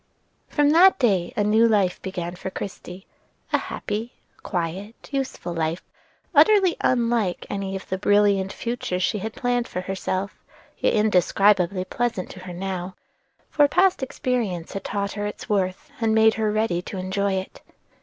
From that day a new life began for Christie, a happy, quiet, useful life, utterly unlike any of the brilliant futures she had planned for herself; yet indescribably pleasant to her now, for past experience had taught her its worth, and made her ready to enjoy it.